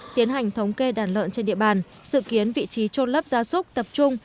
tiến hành thống kê đàn lợn trên địa bàn dự kiến vị trí trôn lấp gia súc tập trung